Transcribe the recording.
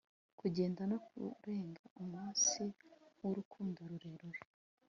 Kugenda no kurenga umunsi wurukundo rurerure